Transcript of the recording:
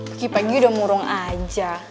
pagi pagi udah murung aja